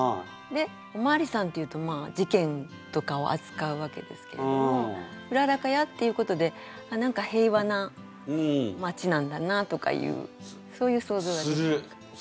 でお巡りさんっていうと事件とかをあつかうわけですけれども「うららかや」って言うことで何か平和な町なんだなとかいうそういう想像ができる。